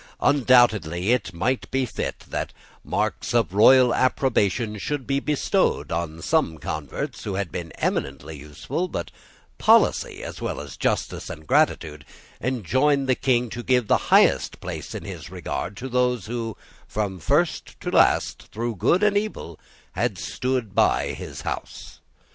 Undoubtedly it might be fit that marks of royal approbation should be bestowed on some converts who had been eminently useful: but policy, as well as justice and gratitude, enjoined the King to give the highest place in his regard to those who, from first to last, through good and evil, had stood by his house.